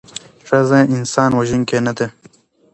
ښځه انسان وژوونکې نده